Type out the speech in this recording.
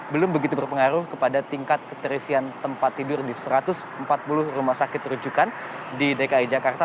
belum begitu berpengaruh kepada tingkat keterisian tempat tidur di satu ratus empat puluh rumah sakit rujukan di dki jakarta